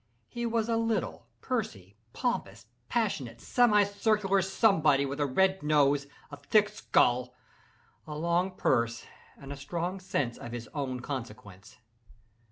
He was a little, pursy, pompous, passionate semicircular somebody, with a red nose, a thick skull, a long purse, and a strong sense of his own consequence.